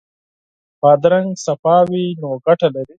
بادرنګ پاک وي نو ګټه لري.